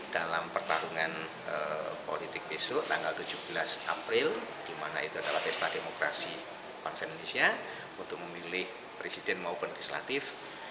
dalam pertarungan politik besok tanggal tujuh belas april di mana itu adalah pesta demokrasi bangsa indonesia untuk memilih presiden maupun legislatif